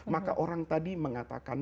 maka orang tadi mengatakan